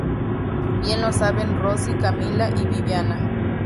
Bien lo saben Rosy, Camila y Viviana.